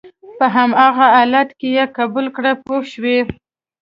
په هماغه حالت کې یې قبول کړئ پوه شوې!.